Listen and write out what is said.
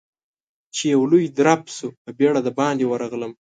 چې يو لوی درب شو، په بيړه د باندې ورغلم.